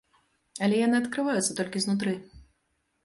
Але яны адкрываюцца толькі знутры.